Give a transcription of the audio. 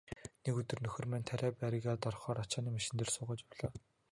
Нэг өдөр нөхөр маань тариа бригад орохоор ачааны машин дээр суугаад явлаа.